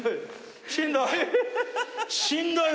しんどい？